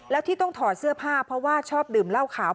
แล้วที่ต้องถอดเสื้อผ้าเพราะว่าชอบดื่มเหล้าขาว